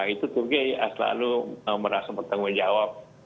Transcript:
itu turki selalu merasa bertanggung jawab